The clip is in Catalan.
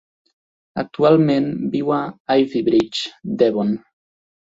Actualment viu a Ivybridge, Devon.